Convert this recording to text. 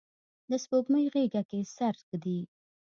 د سپوږمۍ غیږه کې سر ږدي